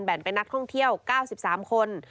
เป็นนักท่องเที่ยว๙๓คน